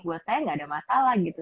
buat saya gak ada masalah gitu